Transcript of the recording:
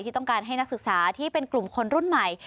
ที่ต้องการให้นักศึกษาที่เป็นกลุ่มคนรุ่นใหม่